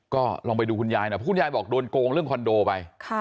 ก็ลองไปดูคุณยายหน่อยเพราะคุณยายบอกโดนโกงเรื่องคอนโดไป